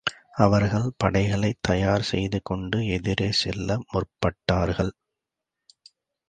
அவர்கள் படைகளைத் தயார் செய்து கொண்டு, எதிரே செல்ல முற்பட்டார்கள்.